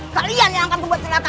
kalian yang akan membuat silakan